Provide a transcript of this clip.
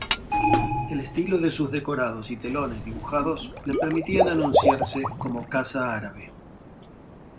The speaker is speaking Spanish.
El estilo de sus decorados y telones dibujados le permitían anunciarse como "Casa árabe".